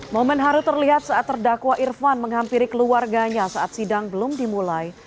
momen haru terlihat saat terdakwa irfan menghampiri keluarganya saat sidang belum dimulai